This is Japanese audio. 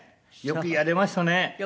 よくやりましたね。